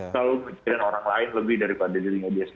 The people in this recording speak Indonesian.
kalau berpikir orang lain lebih daripada dirinya biasanya